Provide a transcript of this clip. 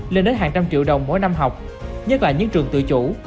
lên đến hàng trăm triệu đồng mỗi năm học nhất là những trường tự chủ